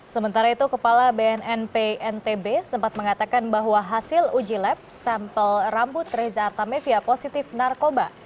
sementara itu kepala bnnp ntb sempat mengatakan bahwa hasil uji lab sampel rambut reza artamevia positif narkoba